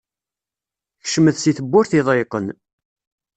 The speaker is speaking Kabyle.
Kecmet si tebburt iḍeyqen.